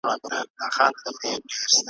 مناجات `